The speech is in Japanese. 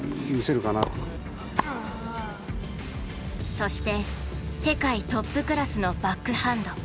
そして世界トップクラスのバックハンド。